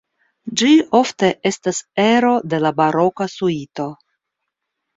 Ĝi ofte estas ero de la baroka suito.